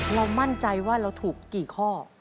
เรามั่นใจว่าเราถูกกี่ข้อ